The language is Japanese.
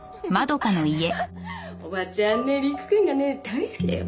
おばちゃんね陸くんがね大好きだよ。